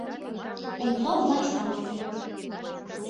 — Венцов вашталте.